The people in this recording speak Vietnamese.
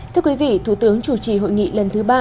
thưa quý vị thủ tướng chủ trì hội nghị lần thứ ba